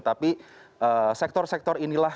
tapi sektor sektor inilah